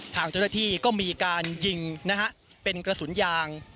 ทางเจ้าหน้าที่ก็มีการยิงนะฮะเป็นกระสุนยาง